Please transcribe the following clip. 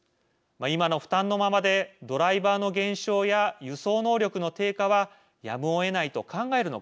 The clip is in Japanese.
今の負担のままでドライバーの減少や輸送能力の低下はやむをえないと考えるのか。